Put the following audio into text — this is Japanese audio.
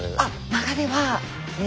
流れはえ